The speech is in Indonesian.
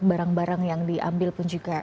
barang barang yang diambil pun juga